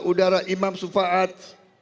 udara imam sufaat